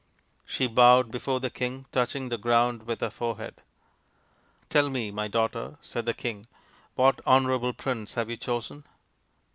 She bowed before the king, touching the ground with her forehead. " Tell me, my daughter," said the king, " what honourable prince have you chosen